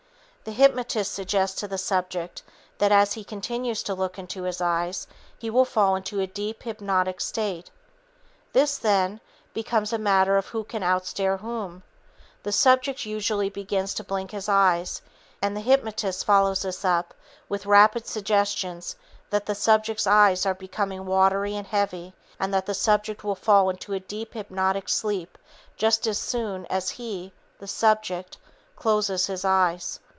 The hypnotist suggests to the subject that as he continues to look into his eyes he will fall into a deep hypnotic state. This, then, becomes a matter of who can outstare whom. The subject usually begins to blink his eyes and the hypnotist follows this up with rapid suggestions that the subject's eyes are becoming watery and heavy and that the subject will fall into a deep hypnotic sleep just as soon as he (the subject) closes his eyes.